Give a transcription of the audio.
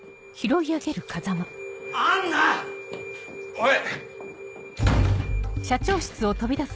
おい！